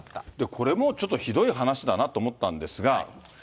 これもちょっとひどい話だなと思ったんですが。